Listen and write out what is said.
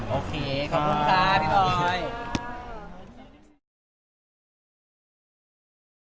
โอเคขอบคุณค่ะพี่บอย